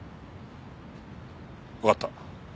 わかった。